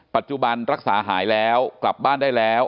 ปัจจุบันรักษาหายแล้วกลับบ้านได้แล้ว